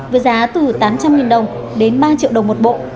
với giá từ tám trăm linh đồng đến ba triệu đồng một bộ